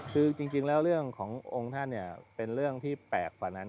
คือจริงแล้วเรื่องขององค์ท่านเป็นเรื่องที่แปลกกว่านั้น